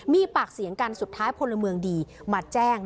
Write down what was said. มีปากเสียงกันสุดท้ายพลเมืองดีมาแจ้ง